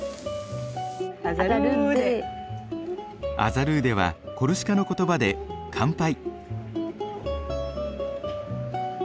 アザルーデはコルシカの言葉で乾杯。